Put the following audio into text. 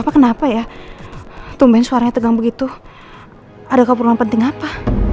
kenapa ya tumbain suaranya tegang begitu ada keperluan penting apa